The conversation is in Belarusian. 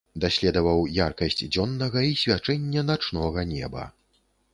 Даследаваў яркасць дзённага і свячэнне начнога неба.